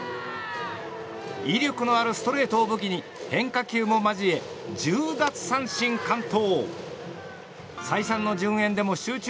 威力のあるストレートを武器に変化球も交え１０奪三振完投。